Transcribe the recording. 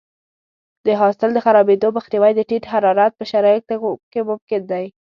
د حاصل د خرابېدو مخنیوی د ټیټ حرارت په شرایطو کې ممکن دی.